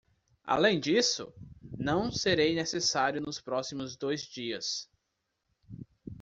Além disso? não serei necessário nos próximos dois dias.